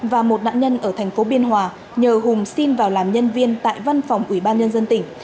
và một nạn nhân ở thành phố biên hòa nhờ hùng xin vào làm nhân viên tại văn phòng ubnd tỉnh